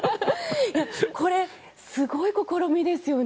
これ、すごい試みですよね。